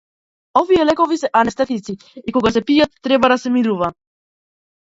Овие лекови се анестетици и кога се пијат треба да се мирува.